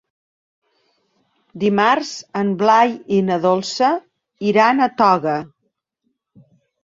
Dimarts en Blai i na Dolça iran a Toga.